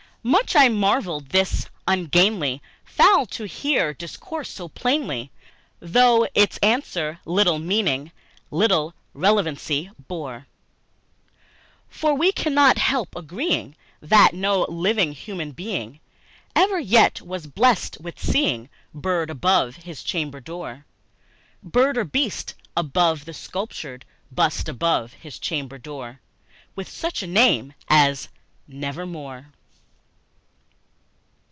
Much I marvelled this ungainly fowl to hear discourse so plainly, Though its answer, little meaning, little relevancy bore; For we cannot help agreeing that no living human being Ever yet was blessed with seeing bird above his chamber door Bird or beast upon the sculptured bust above his chamber door With such a name as "Nevermore."